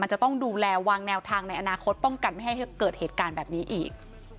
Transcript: จะต้องดูแลวางแนวทางในอนาคตป้องกันไม่ให้เกิดเหตุการณ์แบบนี้อีก